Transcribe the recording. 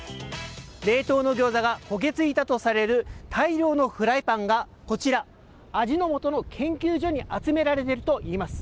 冷凍のギョーザが焦げ付いたとされる大量のフライパンがこちら、味の素の研究所に集められているといいます。